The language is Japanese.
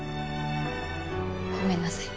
ごめんなさい。